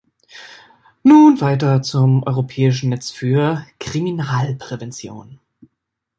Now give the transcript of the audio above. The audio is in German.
Nun weiter zum Europäischen Netz für Kriminalprävention.